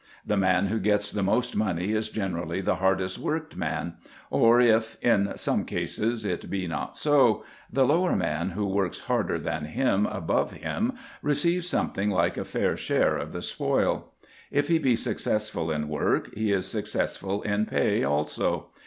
The man who gets the most money is generally the hardest worked man; or if, in some cases, it be not so, the lower man who works harder than him above him receives something like a fair share of the spoil. If he be successful in work he is successful in pay also.